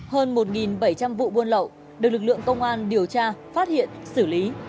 hơn một bảy trăm linh vụ buôn lậu được lực lượng công an điều tra phát hiện xử lý